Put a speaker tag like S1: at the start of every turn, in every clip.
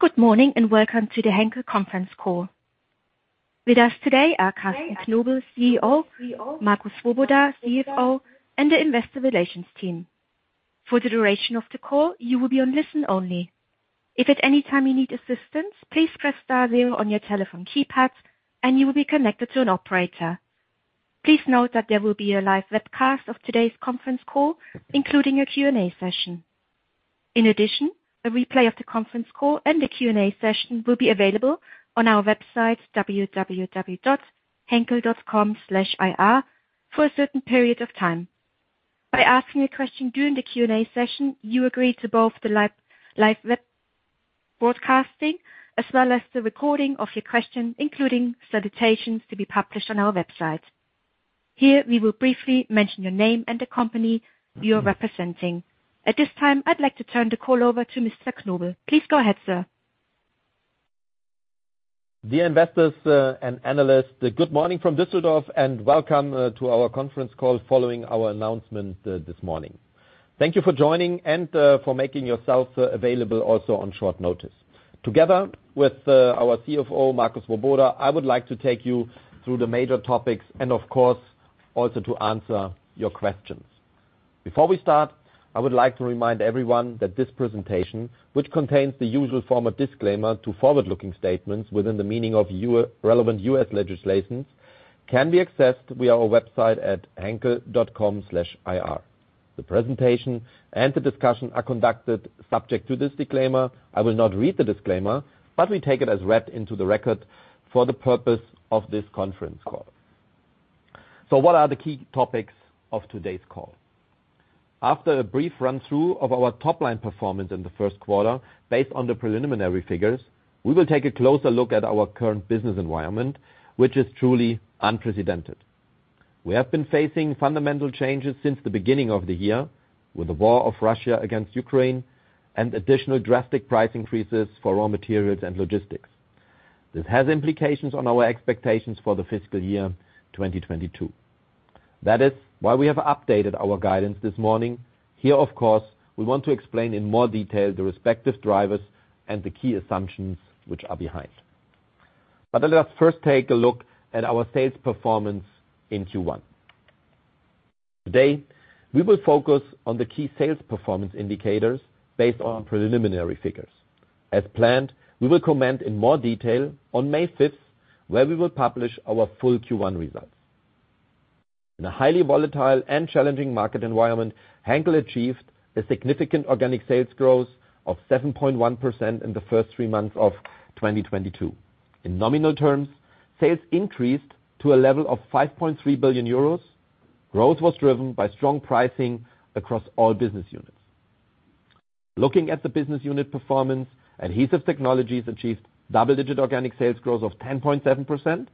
S1: Good morning, and welcome to the Henkel conference call. With us today are Carsten Knobel, CEO, Marco Swoboda, CFO, and the investor relations team. For the duration of the call, you will be on listen only. If at any time you need assistance, please press star zero on your telephone keypad and you will be connected to an operator. Please note that there will be a live webcast of today's conference call, including a Q&A session. In addition, a replay of the conference call and the Q&A session will be available on our website, www.henkel.com/ir for a certain period of time. By asking a question during the Q&A session, you agree to both the live web broadcasting as well as the recording of your question, including salutations to be published on our website. Here, we will briefly mention your name and the company you are representing. At this time, I'd like to turn the call over to Mr. Knobel. Please go ahead, sir.
S2: Dear investors and analysts, good morning from Düsseldorf and welcome to our conference call following our announcement this morning. Thank you for joining and for making yourselves available also on short notice. Together with our CFO, Marco Swoboda, I would like to take you through the major topics and of course also to answer your questions. Before we start, I would like to remind everyone that this presentation, which contains the usual form of disclaimer to forward-looking statements within the meaning of relevant U.S. legislation, can be accessed via our website at henkel.com/ir. The presentation and the discussion are conducted subject to this disclaimer. I will not read the disclaimer, but we take it as read into the record for the purpose of this conference call. What are the key topics of today's call? After a brief run through of our top-line performance in the Q1 based on the preliminary figures, we will take a closer look at our current business environment, which is truly unprecedented. We have been facing fundamental changes since the beginning of the year with the war of Russia against Ukraine and additional drastic price increases for raw materials and logistics. This has implications on our expectations for the fiscal year 2022. That is why we have updated our guidance this morning. Here, of course, we want to explain in more detail the respective drivers and the key assumptions which are behind. Let us first take a look at our sales performance in Q1. Today, we will focus on the key sales performance indicators based on preliminary figures. As planned, we will comment in more detail on May 5, where we will publish our full Q1 results. In a highly volatile and challenging market environment, Henkel achieved a significant organic sales growth of 7.1% in the first three months of 2022. In nominal terms, sales increased to a level of 5.3 billion euros. Growth was driven by strong pricing across all business units. Looking at the business unit performance, Adhesive Technologies achieved double-digit organic sales growth of 10.7%.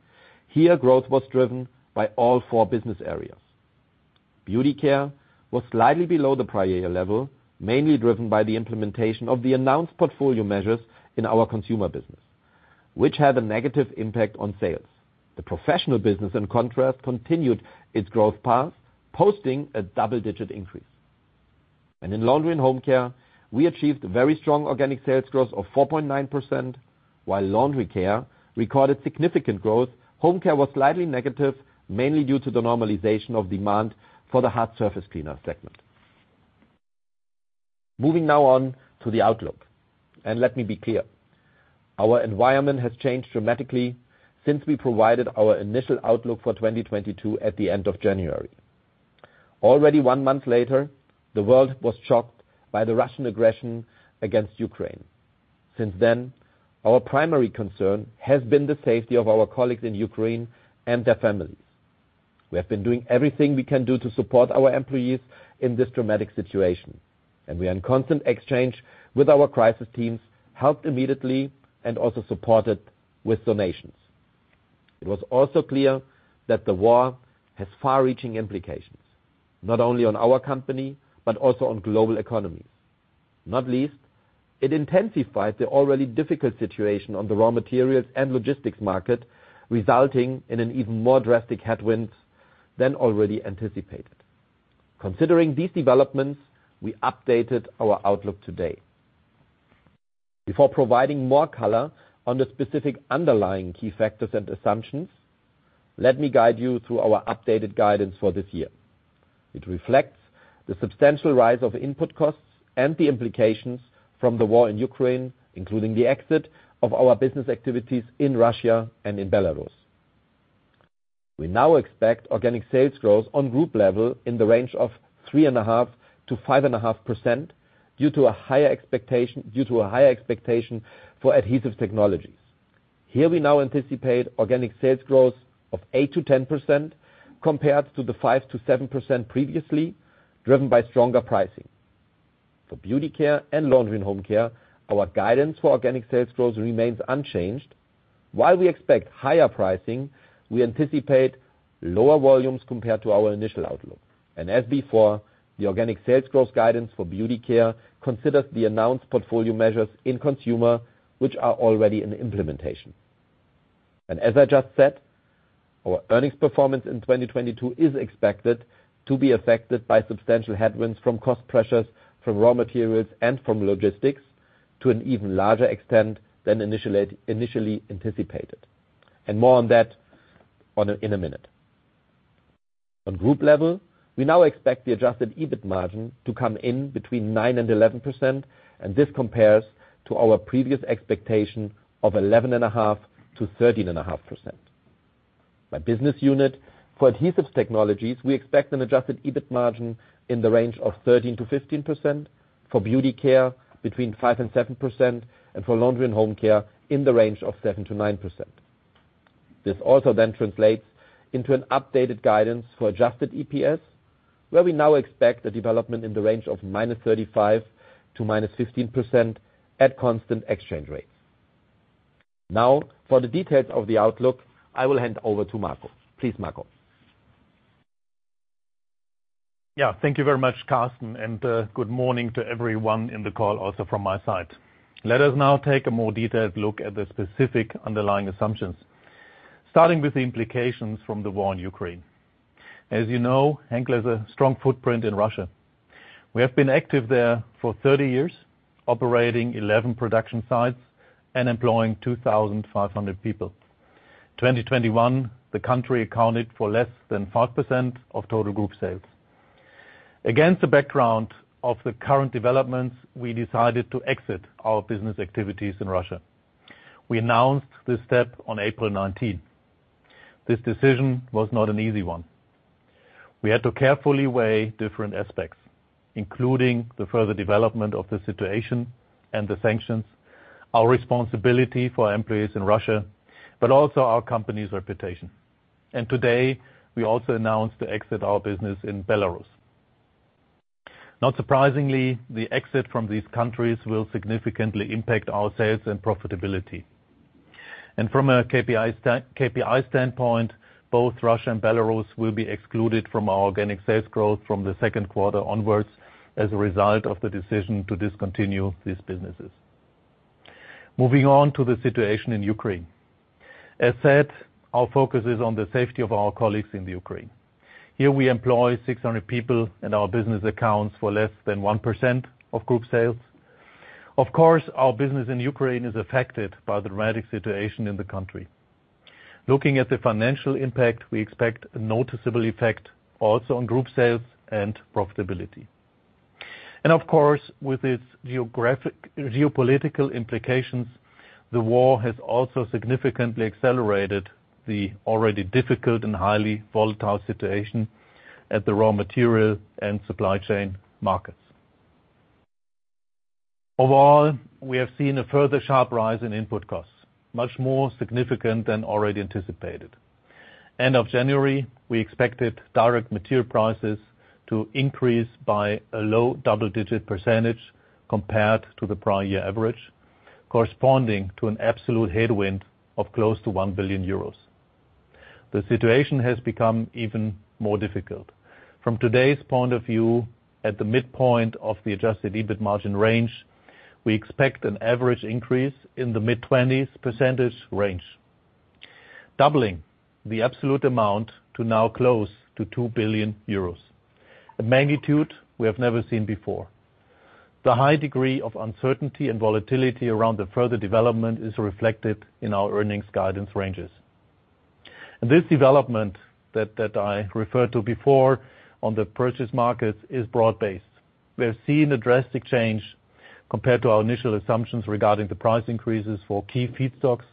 S2: Here growth was driven by all four business areas. Beauty Care was slightly below the prior year level, mainly driven by the implementation of the announced portfolio measures in our consumer business, which had a negative impact on sales. The professional business, in contrast, continued its growth path, posting a double-digit increase. In Laundry & Home Care, we achieved a very strong organic sales growth of 4.9%, while Laundry Care recorded significant growth. Home Care was slightly negative, mainly due to the normalization of demand for the hard surface cleaner segment. Moving now on to the outlook, and let me be clear, our environment has changed dramatically since we provided our initial outlook for 2022 at the end of January. Already one month later, the world was shocked by the Russian aggression against Ukraine. Since then, our primary concern has been the safety of our colleagues in Ukraine and their families. We have been doing everything we can do to support our employees in this dramatic situation, and we are in constant exchange with our crisis teams, helped immediately and also supported with donations. It was also clear that the war has far-reaching implications, not only on our company, but also on global economies. Not least, it intensified the already difficult situation on the raw materials and logistics market, resulting in an even more drastic headwind than already anticipated. Considering these developments, we updated our outlook today. Before providing more color on the specific underlying key factors and assumptions, let me guide you through our updated guidance for this year, which reflects the substantial rise of input costs and the implications from the war in Ukraine, including the exit of our business activities in Russia and in Belarus. We now expect organic sales growth on group level in the range of 3.5%-5.5% due to a higher expectation for Adhesive Technologies. Here we now anticipate organic sales growth of 8%-10% compared to the 5%-7% previously, driven by stronger pricing. For Beauty Care and Laundry & Home Care, our guidance for organic sales growth remains unchanged. While we expect higher pricing, we anticipate lower volumes compared to our initial outlook. As before, the organic sales growth guidance for Beauty Care considers the announced portfolio measures in consumer, which are already in implementation. As I just said, our earnings performance in 2022 is expected to be affected by substantial headwinds from cost pressures, from raw materials, and from logistics to an even larger extent than initially anticipated. More on that in a minute. On group level, we now expect the adjusted EBIT margin to come in between 9% and 11%, and this compares to our previous expectation of 11.5%-13.5%. By business unit, for Adhesive Technologies, we expect an adjusted EBIT margin in the range of 13%-15%. For Beauty Care, between 5% and 7%. For Laundry & Home Care, in the range of 7%-9%. This also then translates into an updated guidance for adjusted EPS, where we now expect a development in the range of -35% to -15% at constant exchange rates. Now, for the details of the outlook, I will hand over to Marco. Please, Marco.
S3: Yeah. Thank you very much, Carsten, and, good morning to everyone in the call also from my side. Let us now take a more detailed look at the specific underlying assumptions, starting with the implications from the war in Ukraine. As you know, Henkel has a strong footprint in Russia. We have been active there for 30 years, operating 11 production sites and employing 2,500 people. 2021, the country accounted for less than 5% of total group sales. Against the background of the current developments, we decided to exit our business activities in Russia. We announced this step on April 19th. This decision was not an easy one. We had to carefully weigh different aspects, including the further development of the situation and the sanctions, our responsibility for our employees in Russia, but also our company's reputation. Today, we also announced to exit our business in Belarus. Not surprisingly, the exit from these countries will significantly impact our sales and profitability. From a KPI standpoint, both Russia and Belarus will be excluded from our organic sales growth from the Q2 onwards as a result of the decision to discontinue these businesses. Moving on to the situation in Ukraine. As said, our focus is on the safety of our colleagues in Ukraine. Here, we employ 600 people, and our business accounts for less than 1% of group sales. Of course, our business in Ukraine is affected by the dramatic situation in the country. Looking at the financial impact, we expect a noticeable effect also on group sales and profitability. Of course, with its geographic, geopolitical implications, the war has also significantly accelerated the already difficult and highly volatile situation at the raw material and supply chain markets. Overall, we have seen a further sharp rise in input costs, much more significant than already anticipated. End of January, we expected direct material prices to increase by a low double-digit % compared to the prior year average, corresponding to an absolute headwind of close to 1 billion euros. The situation has become even more difficult. From today's point of view, at the midpoint of the adjusted EBIT margin range, we expect an average increase in the mid-twenties % range, doubling the absolute amount to now close to 2 billion euros, a magnitude we have never seen before. The high degree of uncertainty and volatility around the further development is reflected in our earnings guidance ranges. This development that I referred to before on the purchase markets is broad-based. We have seen a drastic change compared to our initial assumptions regarding the price increases for key feedstocks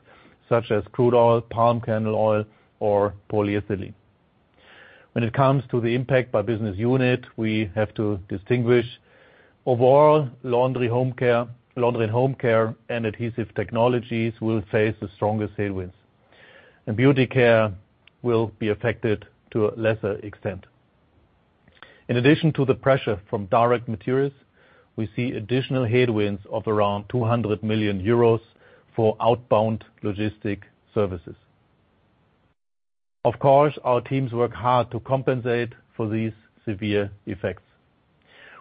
S3: such as crude oil, palm kernel oil, or polyethylene. When it comes to the impact by business unit, we have to distinguish. Overall, Laundry & Home Care and Adhesive Technologies will face the strongest headwinds. Beauty Care will be affected to a lesser extent. In addition to the pressure from direct materials, we see additional headwinds of around 200 million euros for outbound logistics services. Of course, our teams work hard to compensate for these severe effects.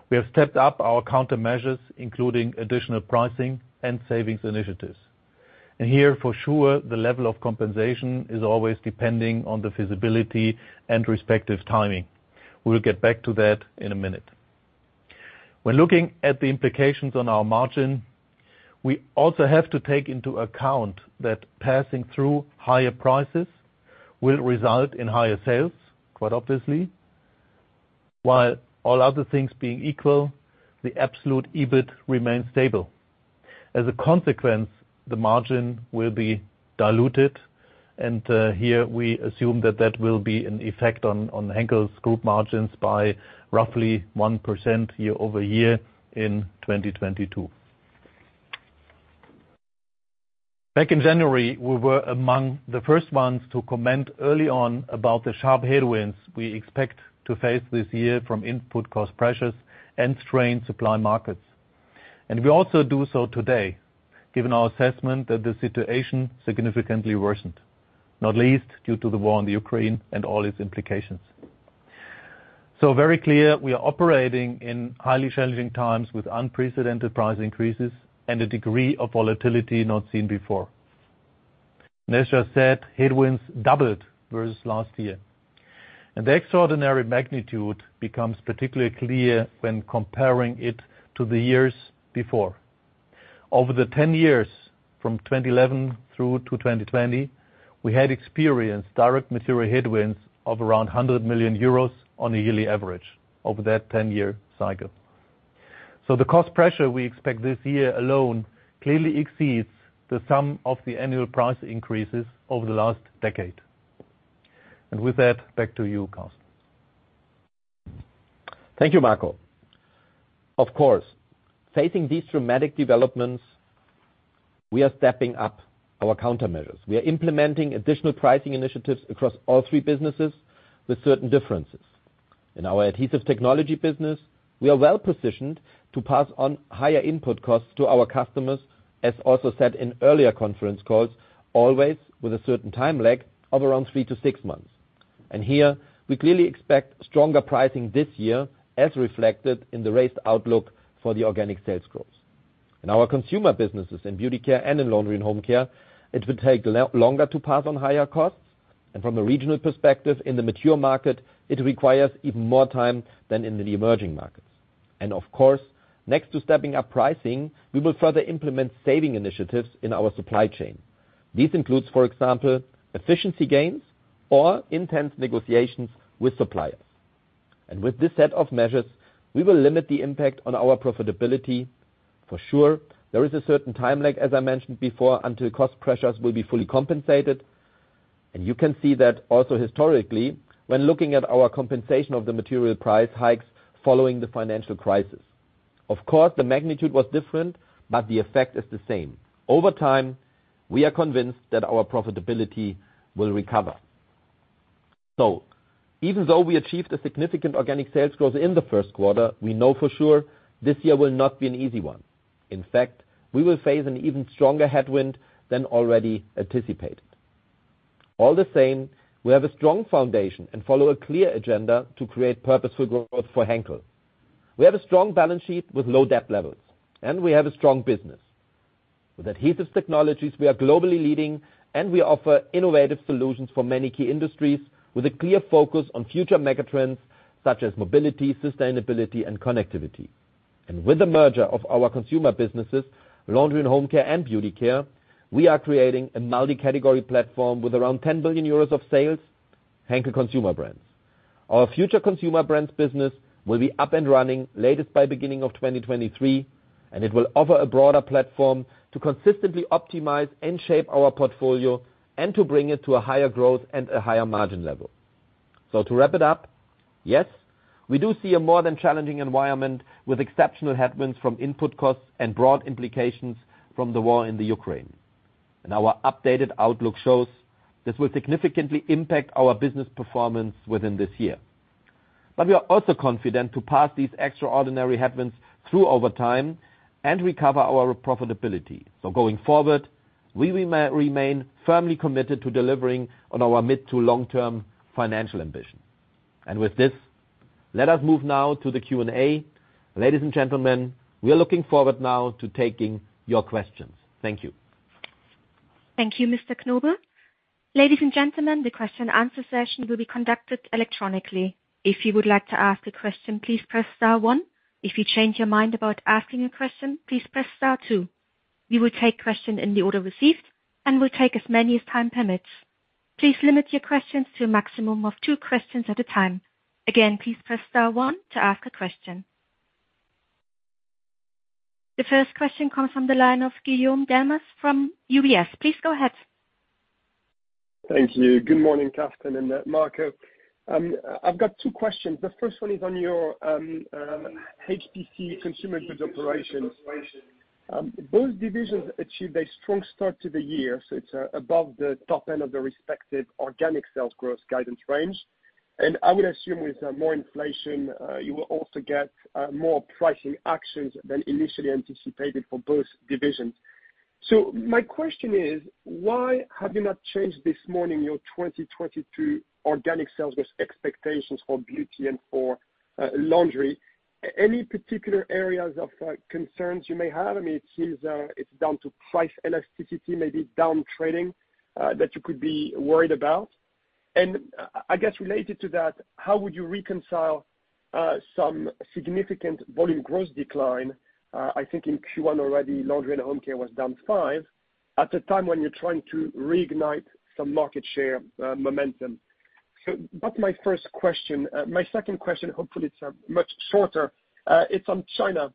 S3: We have stepped up our countermeasures, including additional pricing and savings initiatives. Here for sure, the level of compensation is always depending on the feasibility and respective timing. We'll get back to that in a minute. When looking at the implications on our margin, we also have to take into account that passing through higher prices will result in higher sales, quite obviously. While all other things being equal, the absolute EBIT remains stable. As a consequence, the margin will be diluted and here we assume that that will be an effect on Henkel's group margins by roughly 1% year-over-year in 2022. Back in January, we were among the first ones to comment early on about the sharp headwinds we expect to face this year from input cost pressures and strained supply markets. We also do so today, given our assessment that the situation significantly worsened, not least due to the war on the Ukraine and all its implications. Very clear we are operating in highly challenging times with unprecedented price increases and a degree of volatility not seen before. As just said, headwinds doubled versus last year. The extraordinary magnitude becomes particularly clear when comparing it to the years before. Over the ten years from 2011 through to 2020, we had experienced direct material headwinds of around 100 million euros on a yearly average over that ten-year cycle. The cost pressure we expect this year alone clearly exceeds the sum of the annual price increases over the last decade. With that, back to you, Carsten.
S2: Thank you, Marco. Of course, facing these dramatic developments, we are stepping up our countermeasures. We are implementing additional pricing initiatives across all three businesses with certain differences. In our Adhesive Technologies business, we are well-positioned to pass on higher input costs to our customers, as also said in earlier conference calls, always with a certain time lag of around 3-6 months. Here we clearly expect stronger pricing this year, as reflected in the raised outlook for the organic sales growth. In our consumer businesses, in Beauty Care and in Laundry & Home Care, it will take longer to pass on higher costs. From a regional perspective, in the mature market, it requires even more time than in the emerging markets. Of course, next to stepping up pricing, we will further implement saving initiatives in our supply chain. This includes, for example, efficiency gains or intense negotiations with suppliers. With this set of measures, we will limit the impact on our profitability. For sure, there is a certain time lag, as I mentioned before, until cost pressures will be fully compensated. You can see that also historically, when looking at our compensation of the material price hikes following the financial crisis. Of course, the magnitude was different, but the effect is the same. Over time, we are convinced that our profitability will recover. Even though we achieved a significant organic sales growth in the Q1, we know for sure this year will not be an easy one. In fact, we will face an even stronger headwind than already anticipated. All the same, we have a strong foundation and follow a clear agenda to create purposeful growth for Henkel. We have a strong balance sheet with low debt levels, and we have a strong business. With Adhesive Technologies, we are globally leading, and we offer innovative solutions for many key industries with a clear focus on future mega trends such as mobility, sustainability and connectivity. With the merger of our consumer businesses, Laundry & Home Care and Beauty Care, we are creating a multi-category platform with around 10 billion euros of sales, Henkel Consumer Brands. Our future Consumer Brands business will be up and running latest by beginning of 2023, and it will offer a broader platform to consistently optimize and shape our portfolio and to bring it to a higher growth and a higher margin level. To wrap it up, yes, we do see a more than challenging environment with exceptional headwinds from input costs and broad implications from the war in Ukraine. Our updated outlook shows this will significantly impact our business performance within this year. We are also confident to pass these extraordinary headwinds through over time and recover our profitability. Going forward, we remain firmly committed to delivering on our mid to long-term financial ambition. With this, let us move now to the Q&A. Ladies and gentlemen, we are looking forward now to taking your questions. Thank you.
S1: Thank you, Mr. Knobel. Ladies and gentlemen, the question and answer session will be conducted electronically. If you would like to ask a question, please press star one. If you change your mind about asking a question, please press star two. We will take questions in the order received and will take as many as time permits. Please limit your questions to a maximum of two questions at a time. Again, please press star one to ask a question. The first question comes from the line of Guillaume Delmas from UBS. Please go ahead.
S4: Thank you. Good morning, Carsten and Marco. I've got two questions. The first one is on your HPC consumer goods operation. Both divisions achieved a strong start to the year, so it's above the top end of the respective organic sales growth guidance range. I would assume with more inflation, you will also get more pricing actions than initially anticipated for both divisions. My question is, why have you not changed this morning your 2022 organic sales growth expectations for beauty and for laundry? Any particular areas of concerns you may have? I mean, it seems it's down to price elasticity, maybe down trading that you could be worried about. I guess related to that, how would you reconcile some significant volume growth decline? I think in Q1 already, Laundry & Home Care was down 5%, at the time when you're trying to reignite some market share momentum. That's my first question. My second question, hopefully it's much shorter. It's on China.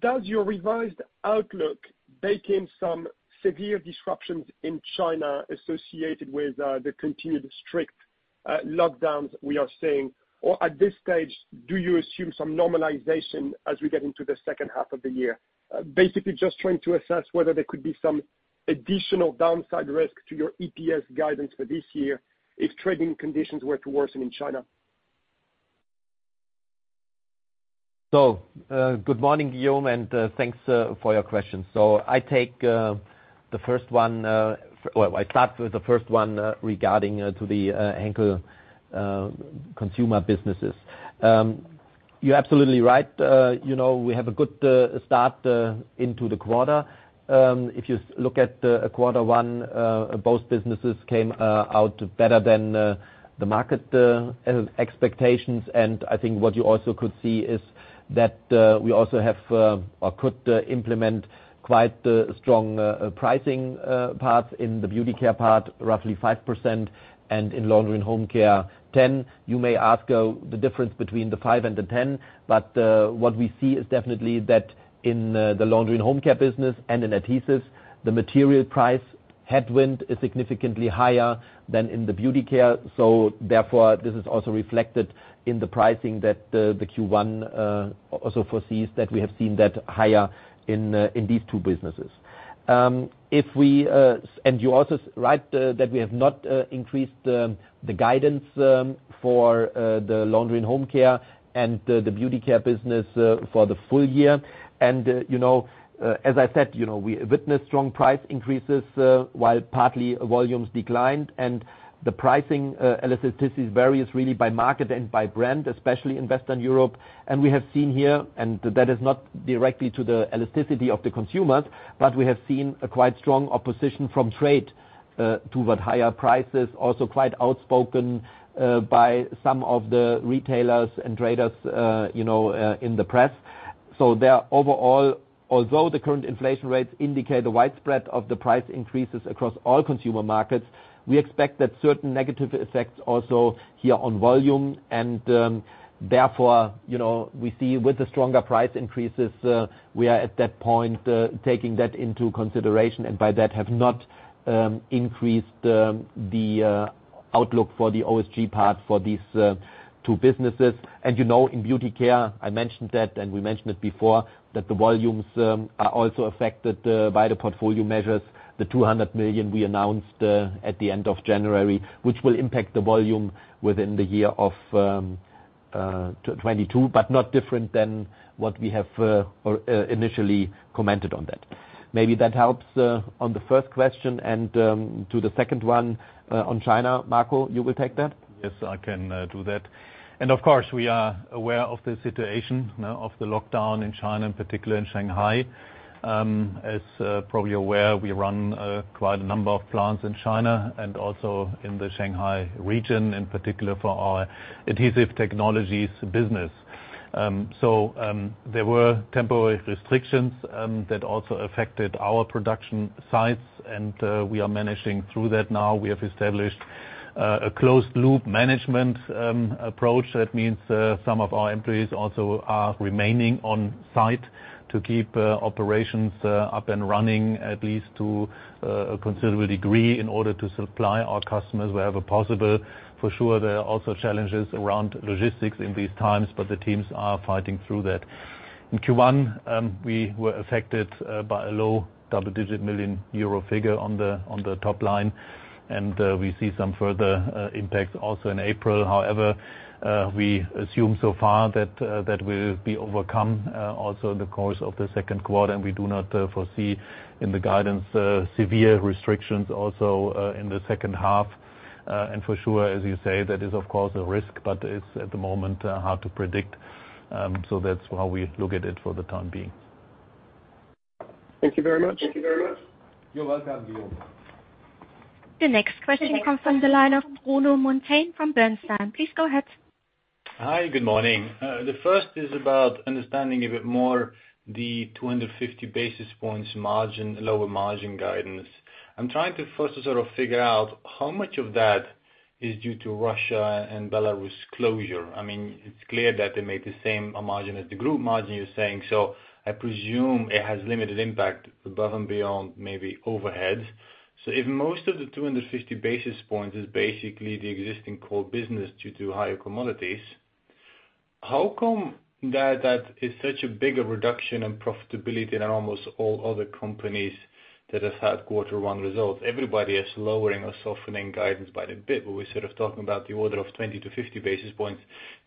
S4: Does your revised outlook bake in some severe disruptions in China associated with the continued strict lockdowns we are seeing? Or at this stage, do you assume some normalization as we get into the second half of the year? Basically just trying to assess whether there could be some additional downside risk to your EPS guidance for this year.
S2: Good morning, Guillaume, and thanks for your question. Well, I start with the first one regarding the Henkel consumer businesses. You're absolutely right. You know, we have a good start into the quarter. If you look at quarter one, both businesses came out better than the market expectations. I think what you also could see is that we also have or could implement quite strong pricing parts in the Beauty Care part, roughly 5%, and in Laundry & Home Care, 10%. You may ask the difference between the 5 and the 10, but what we see is definitely that in the Laundry & Home Care business and in adhesives, the material price headwind is significantly higher than in the Beauty Care. Therefore, this is also reflected in the pricing that the Q1 also foresees that we have seen that higher in in these two businesses. You're also right that we have not increased the guidance for the Laundry & Home Care and the Beauty Care business for the full year. You know, as I said, you know, we witnessed strong price increases while partly volumes declined and the pricing elasticity varies really by market and by brand, especially in Western Europe. We have seen here, and that is not directly to the elasticity of the consumers, but we have seen a quite strong opposition from trade toward higher prices, also quite outspoken by some of the retailers and traders, you know, in the press. Overall, although the current inflation rates indicate the widespread of the price increases across all consumer markets, we expect that certain negative effects also hit on volume and, therefore, you know, we see with the stronger price increases, we are at that point taking that into consideration and by that have not increased the outlook for the OSG part for these two businesses. You know, in Beauty Care, I mentioned that, and we mentioned it before, that the volumes are also affected by the portfolio measures. The 200 million we announced at the end of January, which will impact the volume within the year of 2022, but not different than what we have initially commented on that. Maybe that helps on the first question and to the second one on China. Marco, you will take that?
S3: Yes, I can do that. Of course, we are aware of the situation of the lockdown in China, in particular in Shanghai. As probably aware, we run quite a number of plants in China and also in the Shanghai region, in particular for our Adhesive Technologies business. There were temporary restrictions that also affected our production sites, and we are managing through that now. We have established a closed loop management approach. That means some of our employees also are remaining on site to keep operations up and running at least to a considerable degree in order to supply our customers wherever possible. For sure, there are also challenges around logistics in these times, but the teams are fighting through that. In Q1, we were affected by a low double-digit million EUR figure on the top line, and we see some further impacts also in April. However, we assume so far that that will be overcome also in the course of the Q2, and we do not foresee in the guidance severe restrictions also in the second half. For sure, as you say, that is of course a risk, but it's at the moment hard to predict. That's how we look at it for the time being.
S4: Thank you very much.
S3: You're welcome, Guillaume.
S1: The next question comes from the line of Bruno Monteyne from Bernstein. Please go ahead.
S5: Hi, good morning. The first is about understanding a bit more the 250 basis points margin, lower margin guidance. I'm trying to first sort of figure out how much of that is due to Russia and Belarus closure. I mean, it's clear that they made the same margin as the group margin, you're saying, so I presume it has limited impact above and beyond maybe overheads. If most of the 250 basis points is basically the existing core business due to higher commodities, how come that is such a bigger reduction in profitability than almost all other companies that have had Q1 results? Everybody is lowering or softening guidance by a bit, but we're sort of talking about the order of 20-50 basis points.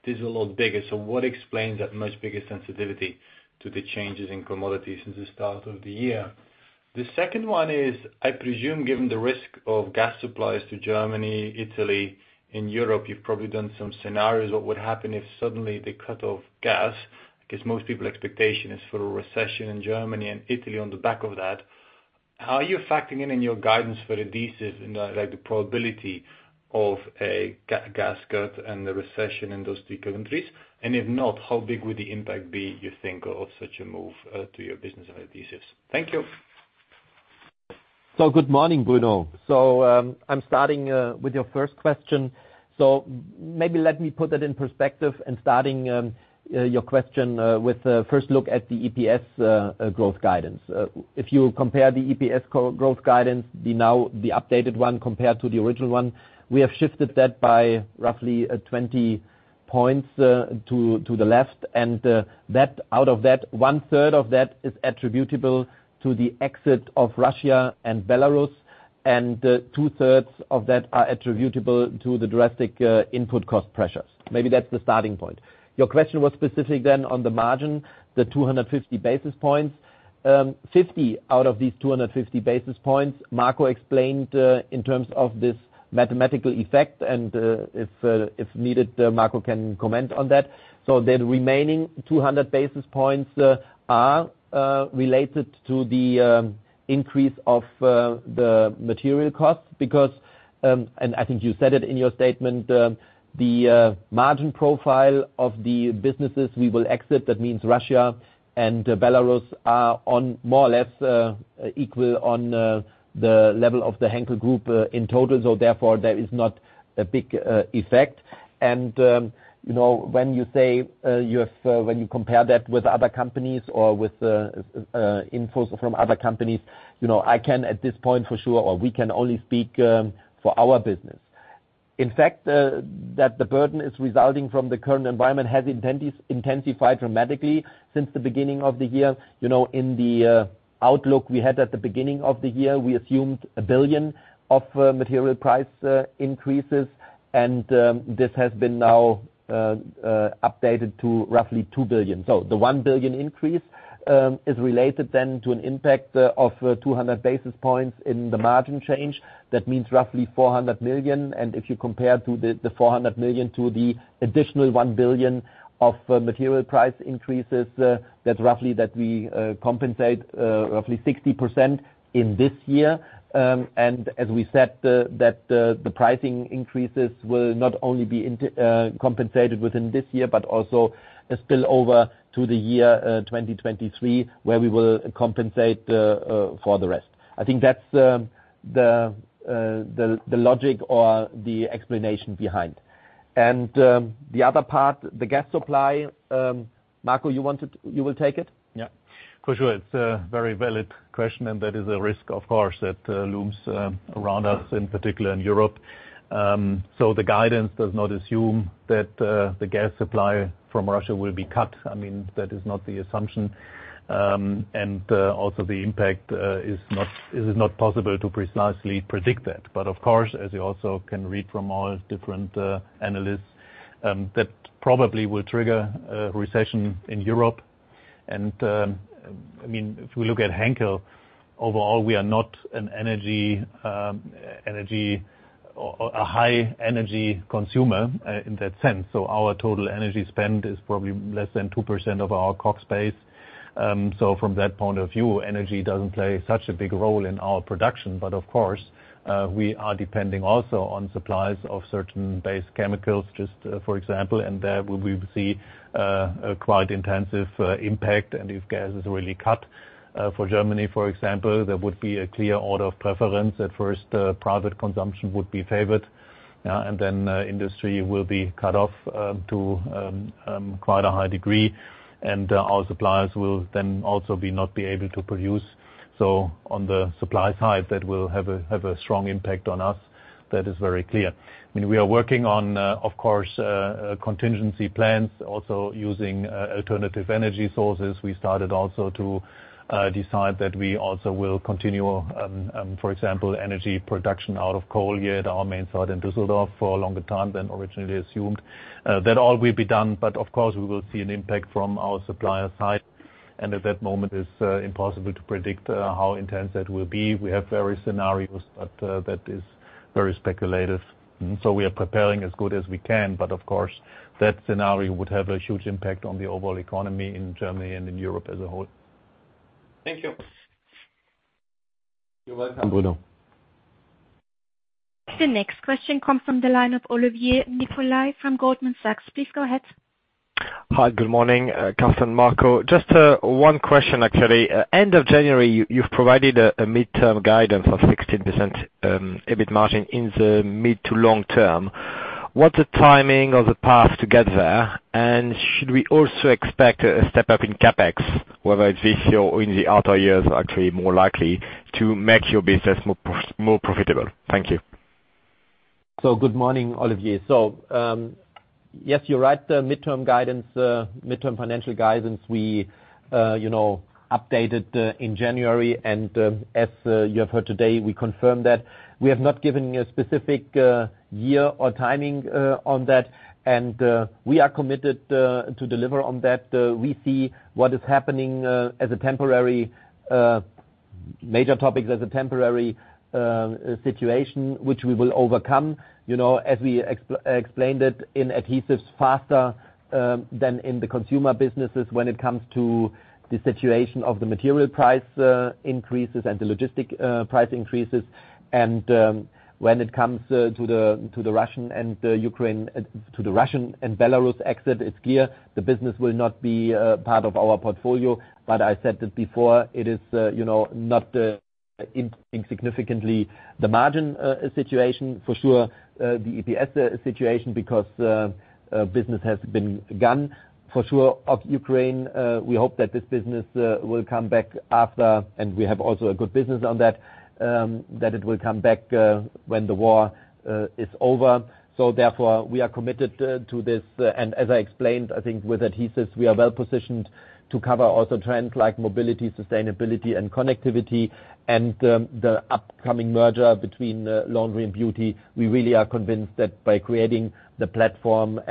S5: This is a lot bigger. What explains that much bigger sensitivity to the changes in commodities since the start of the year? The second one is, I presume, given the risk of gas supplies to Germany, Italy, in Europe, you've probably done some scenarios what would happen if suddenly they cut off gas, because most people's expectation is for a recession in Germany and Italy on the back of that. How are you factoring in your guidance for adhesives and, like, the probability of a gas cut and the recession in those two countries? And if not, how big would the impact be, you think, of such a move, to your business of adhesives? Thank you.
S2: Good morning, Bruno. I'm starting with your first question. Maybe let me put it in perspective and starting with your question with a first look at the EPS growth guidance. If you compare the EPS growth guidance, now the updated one compared to the original one, we have shifted that by roughly 20 points to the left. Out of that, one third of that is attributable to the exit of Russia and Belarus. Two thirds of that are attributable to the drastic input cost pressures. Maybe that's the starting point. Your question was specific then on the margin, the 250 basis points. 50 out of these 250 basis points, Marco explained in terms of this mathematical effect, and if needed, Marco can comment on that. The remaining 200 basis points are related to the increase of the material costs because, and I think you said it in your statement, the margin profile of the businesses we will exit, that means Russia and Belarus, are on more or less equal on the level of the Henkel Group in total. Therefore, there is not a big effect. You know, when you say you have when you compare that with other companies or with info from other companies, you know, I can at this point for sure, or we can only speak for our business. In fact, that the burden is resulting from the current environment has intensified dramatically since the beginning of the year. You know, in the outlook we had at the beginning of the year, we assumed 1 billion of material price increases, and this has been now updated to roughly 2 billion. The one billion increase is related then to an impact of 200 basis points in the margin change. That means roughly 400 million. If you compare the 400 million to the additional 1 billion of material price increases, that's roughly that we compensate roughly 60% in this year. As we said, the pricing increases will not only be compensated within this year but also a spillover to the year 2023, where we will compensate for the rest. I think that's the logic or the explanation behind. The other part, the gas supply, Marco, you will take it?
S3: Yeah. For sure. It's a very valid question, and that is a risk, of course, that looms around us, in particular in Europe. The guidance does not assume that the gas supply from Russia will be cut. I mean, that is not the assumption. Also the impact is not, it is not possible to precisely predict that. Of course, as you also can read from all different analysts that probably will trigger a recession in Europe. I mean, if we look at Henkel, overall, we are not an energy or a high energy consumer in that sense. Our total energy spend is probably less than 2% of our COGS base. From that point of view, energy doesn't play such a big role in our production. Of course, we are depending also on supplies of certain base chemicals, just for example, and there we see a quite intensive impact. If gas is really cut for Germany, for example, there would be a clear order of preference. At first, private consumption would be favored, and then industry will be cut off to quite a high degree. Our suppliers will then also not be able to produce. On the supply side, that will have a strong impact on us. That is very clear. I mean, we are working on, of course, contingency plans, also using alternative energy sources. We started also to decide that we also will continue, for example, energy production out of coal here at our main site in Düsseldorf for a longer time than originally assumed. That all will be done, but of course, we will see an impact from our supplier side, and at that moment it's impossible to predict how intense that will be. We have various scenarios, but that is very speculative. We are preparing as good as we can, but of course, that scenario would have a huge impact on the overall economy in Germany and in Europe as a whole.
S5: Thank you.
S3: You're welcome, Bruno.
S1: The next question comes from the line of Olivier Nicolai from Goldman Sachs. Please go ahead.
S6: Hi. Good morning, Carsten and Marco. Just one question actually. End of January, you've provided a midterm guidance of 16% EBIT margin in the mid to long term. What's the timing of the path to get there, and should we also expect a step-up in CapEx, whether it's this year or in the other years, actually more likely, to make your business more profitable? Thank you.
S2: Good morning, Olivier. Yes, you're right. The midterm financial guidance we updated in January. As you have heard today, we confirm that. We have not given a specific year or timing on that, and we are committed to deliver on that. We see what is happening as a temporary situation which we will overcome. You know, as we explained it in adhesives faster than in the consumer businesses when it comes to the situation of the material price increases and the logistics price increases. When it comes to the Russia and Ukraine, to the Russia and Belarus exit, it's clear the business will not be part of our portfolio. I said it before, it is, you know, not insignificant the margin situation for sure, the EPS situation because business has been gone, for sure, out of Ukraine. We hope that this business will come back after, and we have also a good business on that it will come back when the war is over. Therefore, we are committed to this. As I explained, I think with adhesives, we are well-positioned to cover also trends like mobility, sustainability and connectivity and the upcoming merger between Laundry and Beauty. We really are convinced that by creating the platform,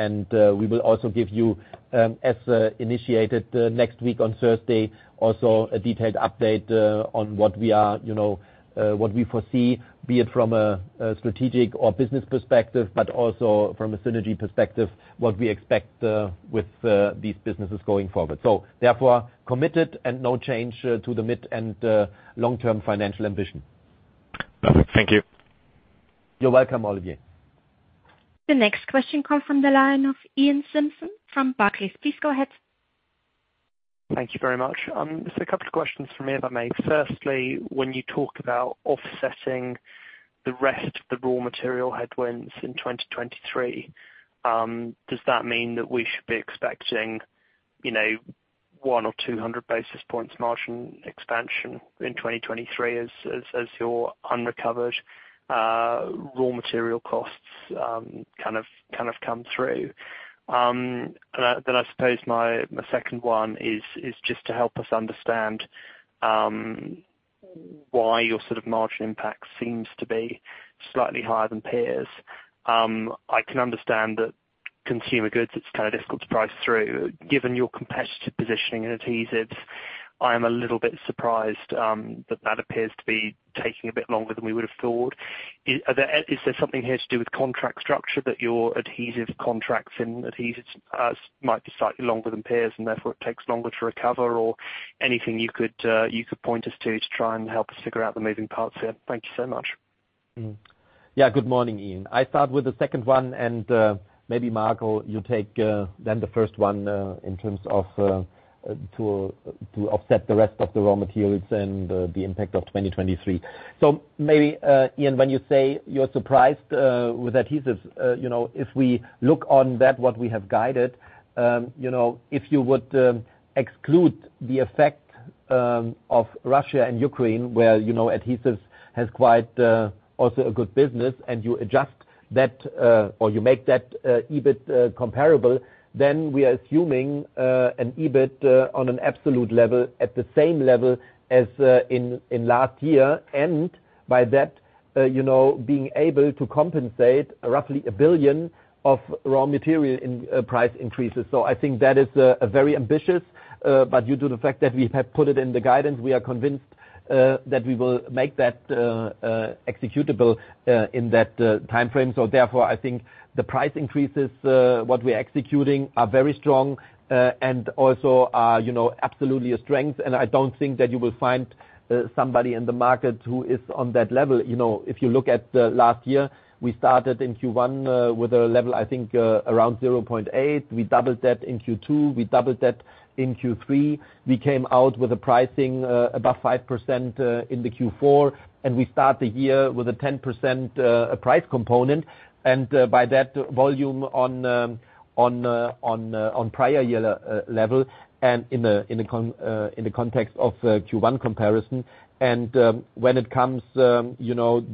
S2: we will also give you, as initiated next week on Thursday, also a detailed update on what we are, you know, what we foresee, be it from a strategic or business perspective, but also from a synergy perspective, what we expect with these businesses going forward. Therefore, committed and no change to the mid and long-term financial ambition.
S6: Thank you.
S2: You're welcome, Olivier.
S1: The next question comes from the line of Iain Simpson from Barclays. Please go ahead.
S7: Thank you very much. Just a couple of questions from me, if I may. Firstly, when you talk about offsetting the rest of the raw material headwinds in 2023, does that mean that we should be expecting, you know, 100 or 200 basis points margin expansion in 2023 as your unrecovered raw material costs kind of come through? I suppose my second one is just to help us understand why your sort of margin impact seems to be slightly higher than peers. I can understand that consumer goods, it's kind of difficult to price through. Given your competitive positioning in adhesives, I am a little bit surprised that appears to be taking a bit longer than we would have thought. Is there something here to do with contract structure that your adhesive contracts in adhesives might be slightly longer than peers and therefore it takes longer to recover or anything you could point us to to try and help us figure out the moving parts here? Thank you so much.
S2: Good morning, Iain. I start with the second one, and maybe Marco, you take then the first one in terms of to offset the rest of the raw materials and the impact of 2023. Maybe Iain, when you say you're surprised with adhesives, you know, if we look on that, what we have guided, you know, if you would exclude the effect of Russia and Ukraine, where, you know, adhesives has quite also a good business and you adjust that or you make that EBIT comparable, then we are assuming an EBIT on an absolute level at the same level as in last year. By that, you know, being able to compensate roughly 1 billion of raw material in price increases. I think that is very ambitious, but due to the fact that we have put it in the guidance, we are convinced that we will make that executable in that timeframe. Therefore, I think the price increases what we're executing are very strong and also are, you know, absolutely a strength. I don't think that you will find somebody in the market who is on that level. You know, if you look at last year, we started in Q1 with a level I think around 0.8%. We doubled that in Q2. We doubled that in Q3. We came out with a pricing above 5% in Q4, and we start the year with a 10% price component. By that volume on prior year level and in the context of Q1 comparison. When it comes, you know,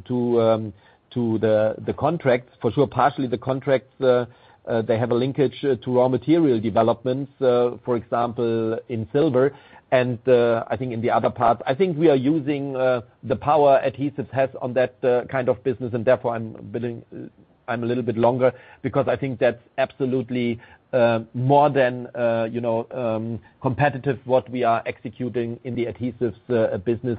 S2: to the contracts for sure, partially the contracts they have a linkage to raw material developments, for example, in silver. I think in the other parts, I think we are using the power adhesives has on that kind of business, and therefore I'm a little bit longer because I think that's absolutely more than you know competitive what we are executing in the adhesives business.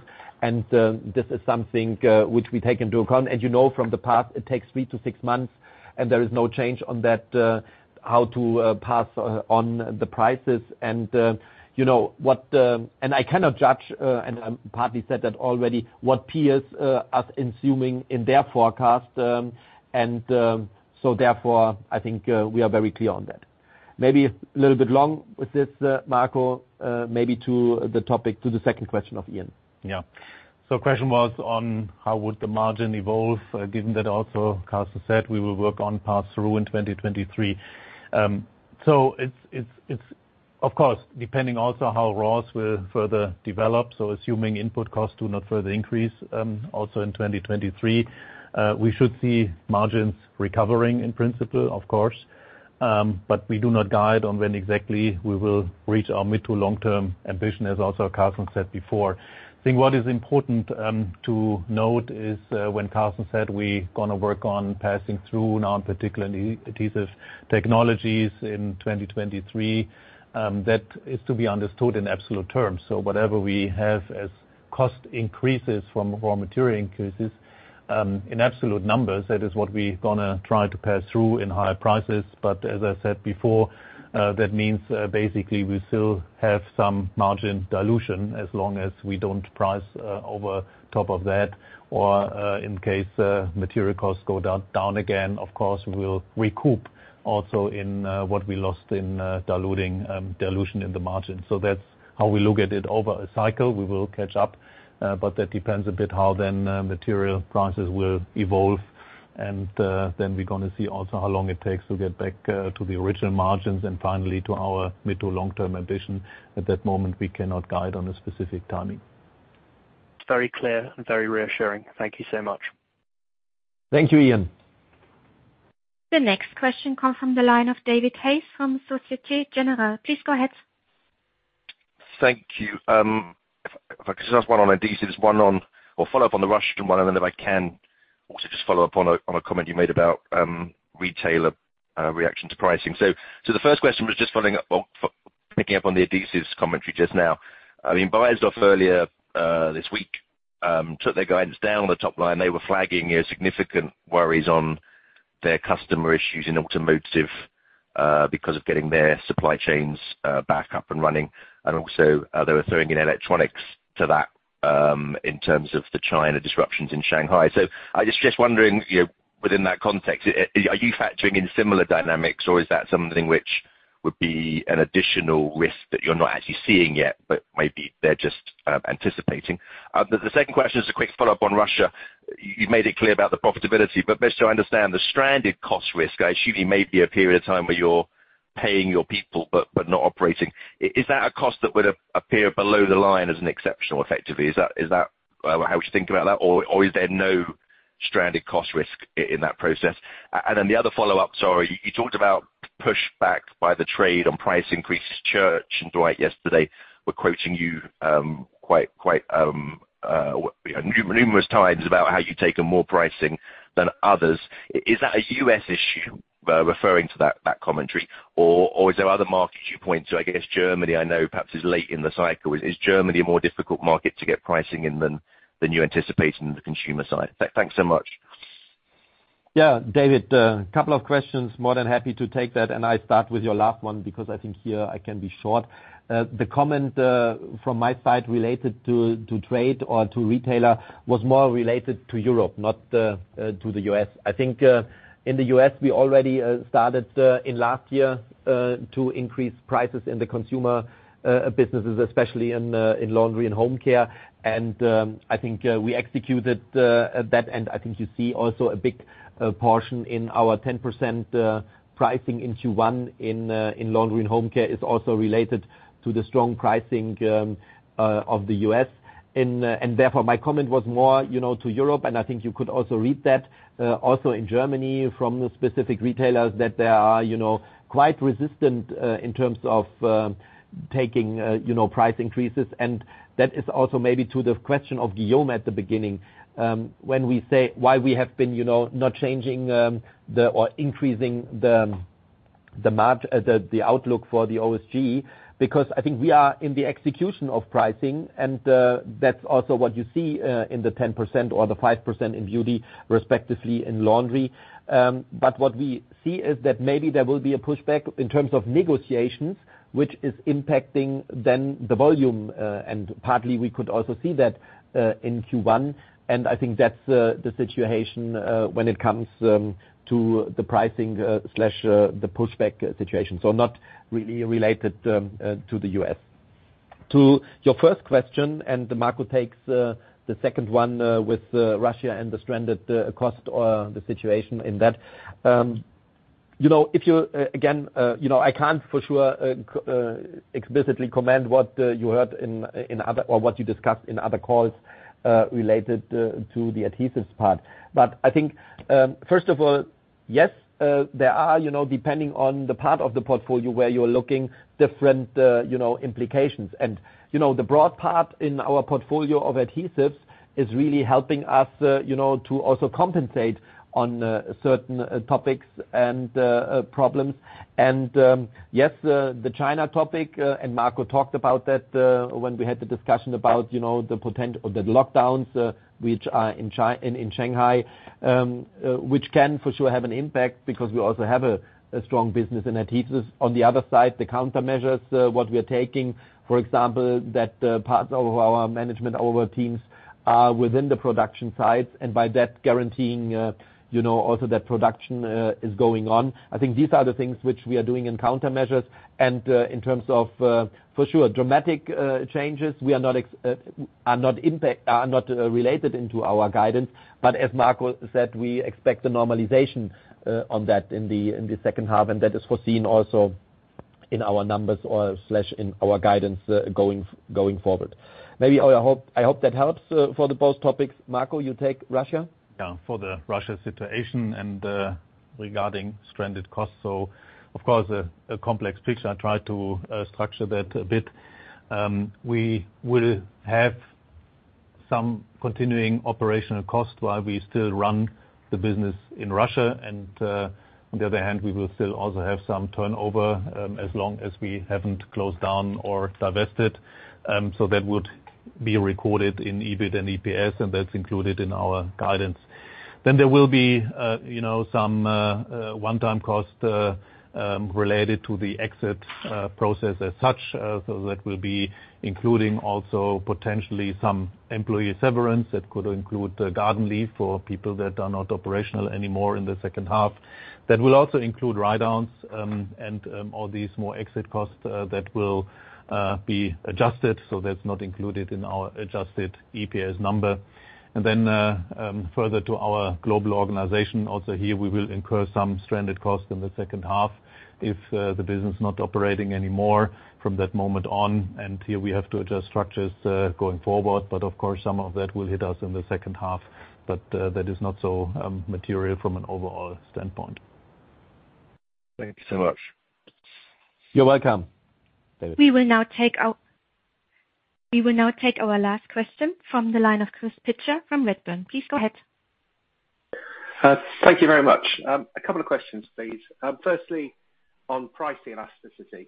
S2: This is something which we take into account. As you know from the past, it takes three to six months, and there is no change on that, how to pass on the prices. You know, I cannot judge, and I partly said that already, what peers are assuming in their forecast. Therefore, I think, we are very clear on that. Maybe a little bit long with this, Marco, maybe to the topic to the second question of Iain.
S3: Yeah. Question was on how would the margin evolve, given that also Carsten said we will work on pass-through in 2023. It's of course depending also how raws will further develop. Assuming input costs do not further increase also in 2023, we should see margins recovering in principle, of course. We do not guide on when exactly we will reach our mid to long-term ambition, as also Carsten said before. I think what is important to note is when Carsten said we gonna work on passing through now on particular Adhesive Technologies in 2023, that is to be understood in absolute terms. Whatever we have as cost increases from raw material increases in absolute numbers, that is what we gonna try to pass through in higher prices. As I said before, that means basically we still have some margin dilution as long as we don't price over top of that or in case material costs go down again, of course, we'll recoup also in what we lost in dilution in the margin. So that's how we look at it. Over a cycle, we will catch up, but that depends a bit how then material prices will evolve. Then we're gonna see also how long it takes to get back to the original margins and finally to our mid to long-term ambition. At that moment, we cannot guide on a specific timing.
S7: It's very clear and very reassuring. Thank you so much.
S2: Thank you, Iain.
S1: The next question comes from the line of David Hayes from Societe Generale. Please go ahead.
S8: Thank you. If I could just ask one on adhesives or follow up on the Russian one, and then if I can also just follow up on a comment you made about retailer reaction to pricing. So the first question was just picking up on the adhesives commentary just now. I mean, Beiersdorf earlier this week took their guidance down on the top line. They were flagging significant worries on their customer issues in automotive because of getting their supply chains back up and running. They were also throwing in electronics to that in terms of the China disruptions in Shanghai. I was just wondering, you know, within that context, are you factoring in similar dynamics, or is that something which would be an additional risk that you're not actually seeing yet, but maybe they're just anticipating? The second question is a quick follow-up on Russia. You've made it clear about the profitability, but just so I understand, the stranded cost risk, I assume there may be a period of time where you're paying your people, but not operating. Is that a cost that would appear below the line as an exceptional, effectively? Is that how we should think about that? Or is there no stranded cost risk in that process? Then the other follow-up, sorry. You talked about pushback by the trade on price increases. Church & Dwight yesterday were quoting you numerous times about how you've taken more pricing than others. Is that a U.S. issue referring to that commentary? Or is there other markets you point to? I guess Germany, I know perhaps is late in the cycle. Is Germany a more difficult market to get pricing in than you anticipated on the consumer side? Thanks so much.
S2: Yeah, David, couple of questions. More than happy to take that, and I start with your last one because I think here I can be short. The comment from my side related to trade or to retailer was more related to Europe, not to the U.S. I think in the U.S., we already started in last year to increase prices in the consumer businesses, especially in Laundry & Home Care. I think we executed at that end. I think you see also a big portion in our 10% pricing in Q1 in Laundry & Home Care is also related to the strong pricing of the U.S. Therefore, my comment was more, you know, to Europe, and I think you could also read that, also in Germany from the specific retailers that they are, you know, quite resistant, in terms of, taking, you know, price increases. That is also maybe to the question of Guillaume at the beginning, when we say why we have been, you know, not changing or increasing the outlook for the OSG. Because I think we are in the execution of pricing, and that's also what you see, in the 10% or the 5% in beauty, respectively in laundry. What we see is that maybe there will be a pushback in terms of negotiations, which is impacting then the volume. Partly we could also see that in Q1, and I think that's the situation when it comes to the pricing slash the pushback situation. Not really related to the U.S. To your first question, and Marco takes the second one with Russia and the stranded cost or the situation in that. You know, if you again you know, I can't for sure explicitly comment what you heard in other or what you discussed in other calls related to the adhesives part. But I think first of all, yes, there are you know, depending on the part of the portfolio where you're looking, different you know, implications. You know, the broad part in our portfolio of adhesives is really helping us, you know, to also compensate on certain topics and problems. Yes, the China topic, and Marco talked about that, when we had the discussion about, you know, the lockdowns, which are in Shanghai, which can for sure have an impact because we also have a strong business in adhesives. On the other side, the countermeasures what we are taking, for example, that parts of our management teams are within the production sites, and by that guaranteeing also that production is going on. I think these are the things which we are doing in countermeasures. In terms of for sure dramatic changes, we are not reflected in our guidance. As Marco said, we expect the normalization on that in the second half, and that is foreseen also in our numbers or / in our guidance going forward. I hope that helps for both topics. Marco, you take Russia?
S3: Yeah. For the Russia situation and regarding stranded costs. Of course, a complex picture. I try to structure that a bit. We will have some continuing operational cost while we still run the business in Russia. On the other hand, we will still also have some turnover, as long as we haven't closed down or divested. That would be recorded in EBIT and EPS, and that's included in our guidance. There will be some one-time cost related to the exit process as such. That will be including also potentially some employee severance that could include garden leave for people that are not operational anymore in the second half.
S2: That will also include write-downs and all these more exit costs that will be adjusted, so that's not included in our adjusted EPS number. Then, further to our global organization, also here we will incur some stranded costs in the second half if the business is not operating anymore from that moment on. Here we have to adjust structures going forward. Of course, some of that will hit us in the second half. That is not so material from an overall standpoint.
S8: Thank you so much.
S2: You're welcome, David.
S1: We will now take our last question from the line of Chris Pitcher from Redburn. Please go ahead.
S9: Thank you very much. A couple of questions, please. Firstly, on pricing elasticity.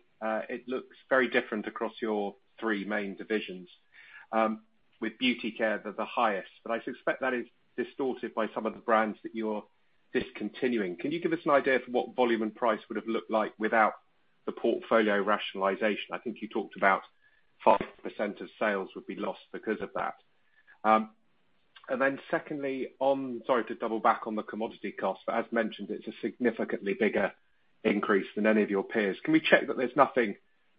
S9: It looks very different across your three main divisions, with Beauty Care the highest. I suspect that is distorted by some of the brands that you're discontinuing. Can you give us an idea of what volume and price would've looked like without the portfolio rationalization? I think you talked about 5% of sales would be lost because of that. Secondly, on the commodity cost, sorry to double back, but as mentioned, it's a significantly bigger increase than any of your peers. Can we check that there's nothing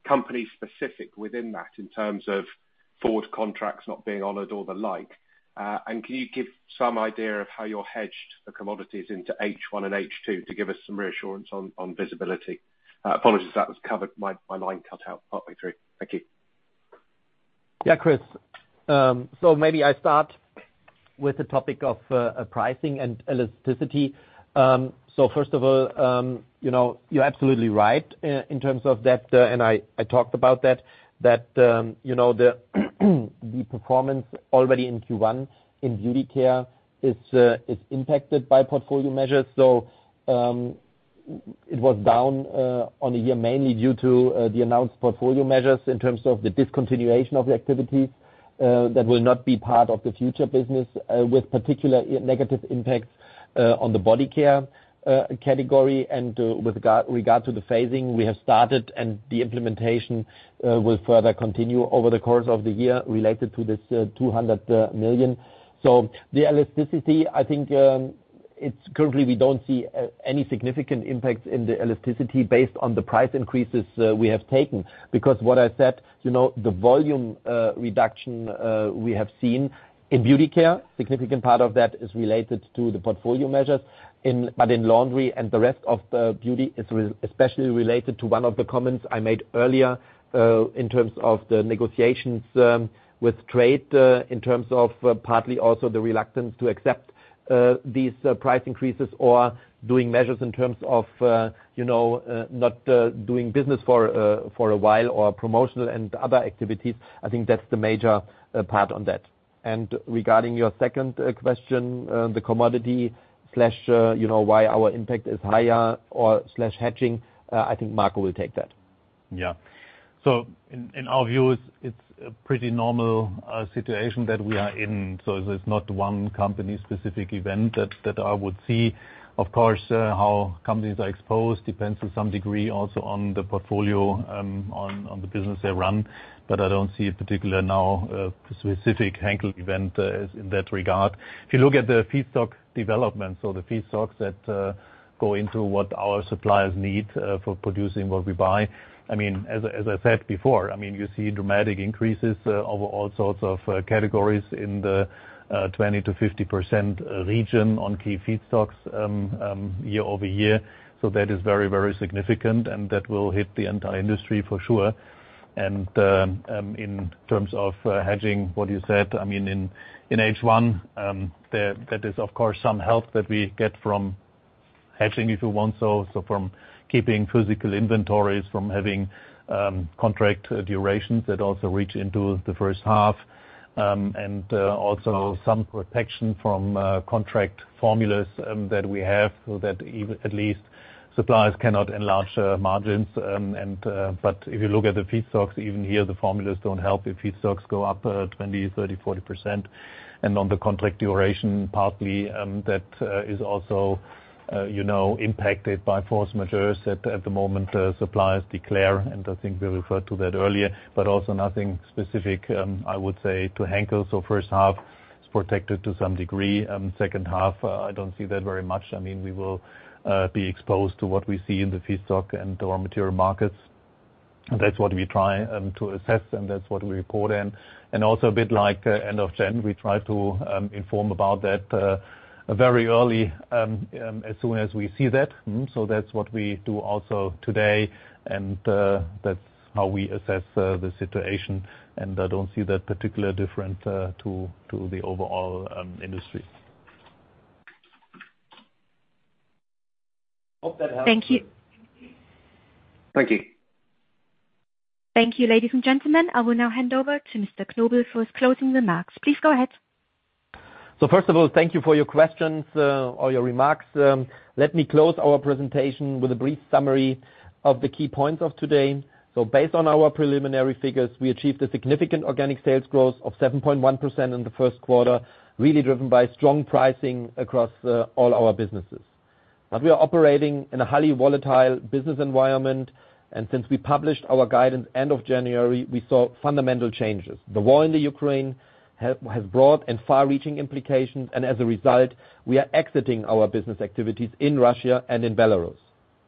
S9: company specific within that in terms of forward contracts not being honored or the like? Can you give some idea of how you're hedged for commodities into H1 and H2 to give us some reassurance on visibility? Apologies if that was covered. My line cut out partway through. Thank you.
S2: Yeah, Chris. Maybe I start with the topic of pricing and elasticity. First of all, you know, you're absolutely right in terms of that, and I talked about that, you know, the performance already in Q1 in Beauty Care is impacted by portfolio measures. It was down year-on-year, mainly due to the announced portfolio measures in terms of the discontinuation of the activities that will not be part of the future business, with particular negative impacts on the Body Care category. With regard to the phasing, we have started and the implementation will further continue over the course of the year related to this 200 million. The elasticity, I think, it's currently we don't see any significant impacts in the elasticity based on the price increases we have taken. Because what I said, you know, the volume reduction we have seen in Beauty Care, significant part of that is related to the portfolio measures, but in laundry and the rest of the Beauty Care is especially related to one of the comments I made earlier, in terms of the negotiations with trade, in terms of partly also the reluctance to accept these price increases or doing measures in terms of, you know, not doing business for a while or promotional and other activities. I think that's the major part on that. Regarding your second question, the commodity slash, you know, why our impact is higher or slash hedging, I think Marco will take that. Yeah. In our view, it's a pretty normal situation that we are in. There's not one company specific event that I would see. Of course, how companies are exposed depends to some degree also on the portfolio, on the business they run. But I don't see a particular now specific Henkel event in that regard. If you look at the feedstock development, the feedstocks that go into what our suppliers need for producing what we buy. I mean, as I said before, I mean, you see dramatic increases over all sorts of categories in the 20%-50% region on key feedstocks year-over-year. That is very, very significant, and that will hit the entire industry for sure. In terms of hedging what you said, I mean, in H1, that is of course some help that we get from hedging if we want, so from keeping physical inventories, from having contract durations that also reach into the first half, and also some protection from contract formulas that we have so that even at least suppliers cannot enlarge margins. If you look at the feedstocks, even here, the formulas don't help if feedstocks go up 20, 30, 40%. On the contract duration, partly, that is also, you know, impacted by force majeure at the moment, suppliers declare, and I think we referred to that earlier, but also nothing specific, I would say to Henkel. First half is protected to some degree. Second half, I don't see that very much. I mean, we will be exposed to what we see in the feedstock and the raw material markets. That's what we try to assess, and that's what we report. Also a bit like end of January, we try to inform about that very early as soon as we see that. That's what we do also today. That's how we assess the situation, and I don't see that particular different to the overall industry.
S3: Hope that helps.
S1: Thank you.
S9: Thank you.
S1: Thank you, ladies and gentlemen. I will now hand over to Mr. Knobel for his closing remarks. Please go ahead.
S2: First of all, thank you for your questions or your remarks. Let me close our presentation with a brief summary of the key points of today. Based on our preliminary figures, we achieved a significant organic sales growth of 7.1% in the Q1, really driven by strong pricing across all our businesses. We are operating in a highly volatile business environment, and since we published our guidance end of January, we saw fundamental changes. The war in the Ukraine has broad and far-reaching implications, and as a result, we are exiting our business activities in Russia and in Belarus.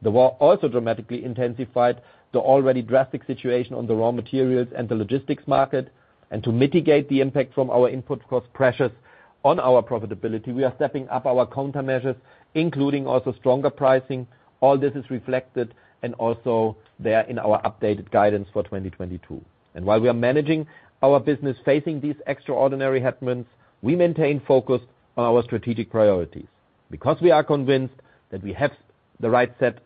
S2: The war also dramatically intensified the already drastic situation on the raw materials and the logistics market. To mitigate the impact from our input cost pressures on our profitability, we are stepping up our countermeasures, including also stronger pricing. All this is reflected and also there in our updated guidance for 2022. While we are managing our business facing these extraordinary headwinds, we maintain focus on our strategic priorities because we are convinced that we have the right set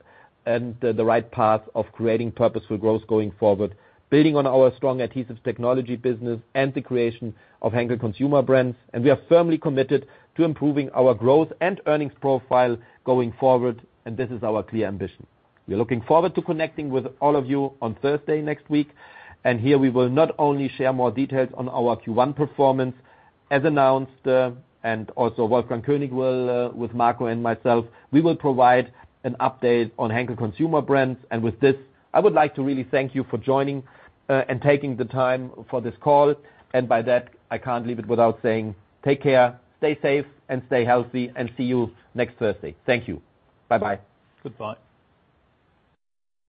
S2: and the right path of creating purposeful growth going forward, building on our strong adhesives technology business and the creation of Henkel Consumer Brands. We are firmly committed to improving our growth and earnings profile going forward, and this is our clear ambition. We are looking forward to connecting with all of you on Thursday next week, and here we will not only share more details on our Q1 performance as announced, and also Wolfgang König will, with Marco and myself, we will provide an update on Henkel Consumer Brands. With this, I would like to really thank you for joining and taking the time for this call. By that, I can't leave it without saying take care, stay safe, and stay healthy, and see you next Thursday. Thank you. Bye-bye.
S1: Goodbye.